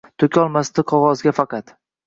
To’kolmasdi qog’ozga faqat